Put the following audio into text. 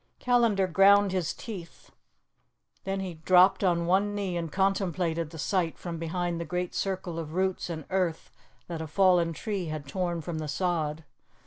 Callandar ground his teeth; then he dropped on one knee and contemplated the sight from behind the great circle of roots and earth that a fallen tree had torn from the sod.